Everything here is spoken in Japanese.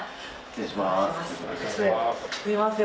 失礼します。